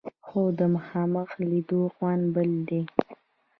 خو د مخامخ لیدلو خوند بل دی.